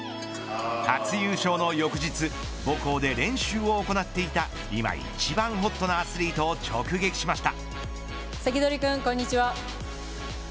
初優勝の翌日母校で練習を行っていた今一番ホットなアスリートを直撃しました。